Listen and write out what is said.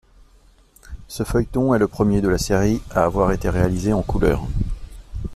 Ce feuilleton est le premier de la série à avoir été réalisé en couleurs.